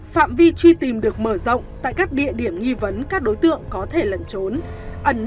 phạm vi truy tìm được mở rộng tại các địa điểm nghi vấn các đối tượng có thể lẩn trốn